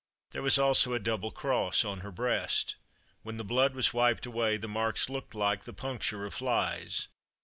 There was also a double cross on her breast. When the blood was wiped away, the marks looked like the puncture of flies.